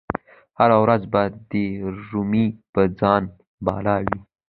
هره ورځ به د رمی په ځان بلا وي